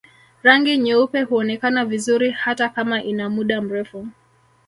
Rangi nyeupe huonekana vizuri hata kama ina muda mrefu